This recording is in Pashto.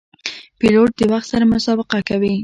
پیلوټ د وخت سره مسابقه کوي.